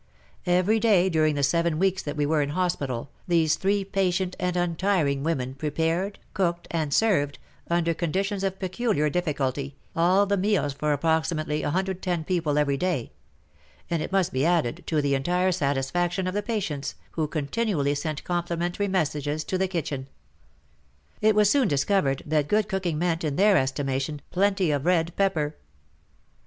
Every day during the seven weeks that we were in hospital, these three patient and untiring women prepared and cooked and served, under conditions of peculiar difficulty, all the meals for approximately no people every day ; and, it must be added, to the entire satisfaction of the patients, who con tinually sent complimentary messages to the kitchen. It was soon discovered that good cooking meant, in their estimation, plenty of red pepper.